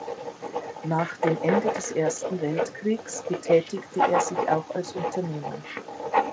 Nach dem Ende des Ersten Weltkriegs betätigte er sich auch als Unternehmer.